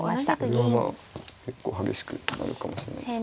これはまあ結構激しくなるかもしれないです。